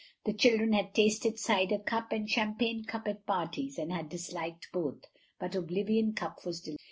The children had tasted cider cup and champagne cup at parties, and had disliked both, but oblivion cup was delicious.